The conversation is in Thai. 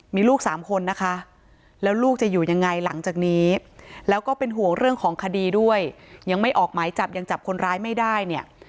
มีลูกสามคนนะคะแล้วลูกจะอยู่ยังไงหลังจากนี้แล้วก็เป็นห่วงเรื่องของคดีด้วยยังไม่ออกหมายจับยังจับคนร้ายไม่ได้เนี่ย